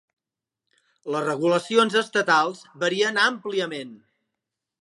Les regulacions estatals varien àmpliament.